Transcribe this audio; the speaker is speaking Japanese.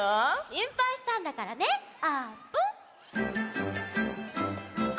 しんぱいしたんだからねあーぷん。